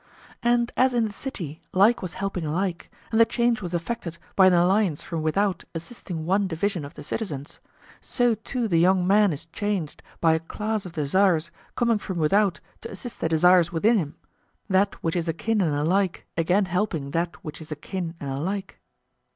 And as in the city like was helping like, and the change was effected by an alliance from without assisting one division of the citizens, so too the young man is changed by a class of desires coming from without to assist the desires within him, that which is akin and alike again helping that which is akin and alike?